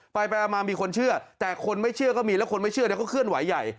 ไปมามีคนเชื่อแต่คนไม่เชื่อก็มีแล้วคนไม่เชื่อก็เคลื่อนไหวใหญ่